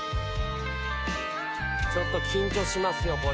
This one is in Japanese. ちょっと緊張しますよ